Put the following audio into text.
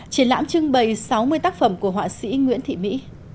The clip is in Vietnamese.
triển lãm trưng bày sáu mươi tác phẩm của họa sĩ nguyễn thị mỹ